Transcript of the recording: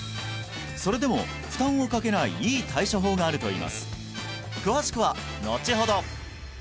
それでも負担をかけないいい対処法があるといいます詳しくはのちほど！